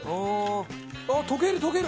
溶ける溶ける！